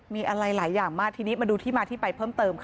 มีอะไรหลายอย่างมากทีนี้มาดูที่มาที่ไปเพิ่มเติมค่ะ